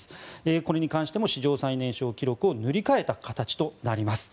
これに関しても史上最年少記録を塗り替えた形となります。